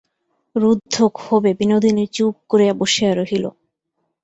রুদ্ধ ক্ষোভে বিনোদিনী চুপ করিয়া বসিয়া রহিল।